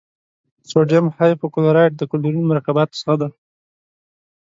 سوډیم هایپو کلورایټ د کلورین مرکباتو څخه دی.